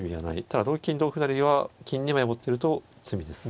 ただ同金同歩成は金２枚持ってると詰みです。